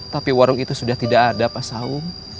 tapi warung itu sudah tidak ada pak saung